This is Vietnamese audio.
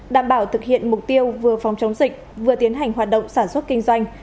đảm bảo thực hiện mục tiêu vừa phòng chống dịch vừa tiến hành hoạt động sản xuất kinh doanh